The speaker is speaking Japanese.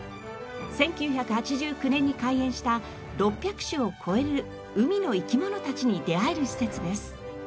１９８９年に開園した６００種を超える海の生き物たちに出会える施設です。